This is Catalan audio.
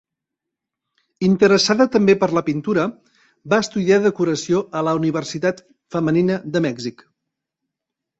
Interessada també per la pintura, va estudiar decoració a la Universitat Femenina de Mèxic.